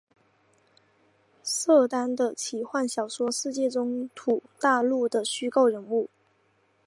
瑟丹的奇幻小说世界中土大陆的虚构人物。